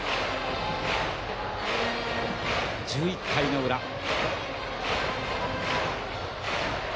１１回の裏。